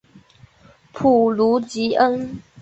普卢吉恩。